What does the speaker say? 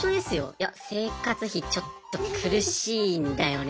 いや生活費ちょっと苦しいんだよね。